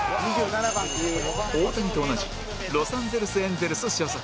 大谷と同じロサンゼルス・エンゼルス所属